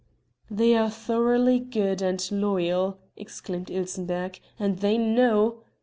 "They are thoroughly good and loyal!" exclaimed Ilsenbergh, "and they know...."